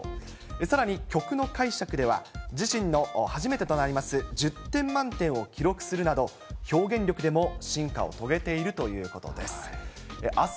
さらに曲の解釈では、自身の初めてとなります、１０点満点を記録するなど、表現力でも進化を遂げているということです。